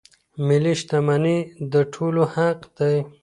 ملي شتمنۍ د ټولو حق دی.